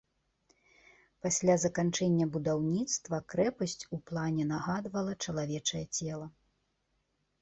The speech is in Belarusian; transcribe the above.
Пасля заканчэння будаўніцтва крэпасць у плане нагадвала чалавечае цела.